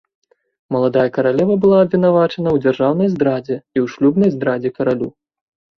Маладая каралева была абвінавачана ў дзяржаўнай здрадзе і ў шлюбнай здрадзе каралю.